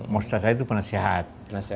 mustasyar itu penasihat